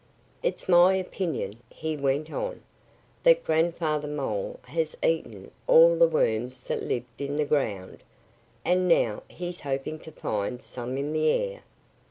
"It's my opinion," he went on, "that Grandfather Mole has eaten all the worms that lived in the ground; and now he's hoping to find some in the air."